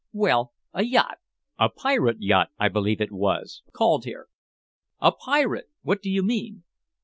"Well, a yacht a pirate yacht, I believe it was called here." "A pirate! What do you mean?"